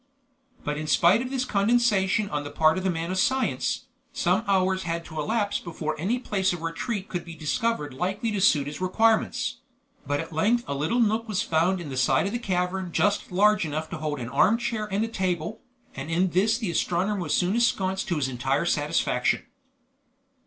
But in spite of this condescension on the part of the man of science, some hours had to elapse before any place of retreat could be discovered likely to suit his requirements; but at length a little nook was found in the side of the cavern just large enough to hold an armchair and a table, and in this the astronomer was soon ensconced to his entire satisfaction.